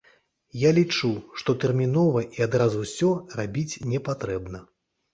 Я лічу, што тэрмінова і адразу ўсё рабіць непатрэбна.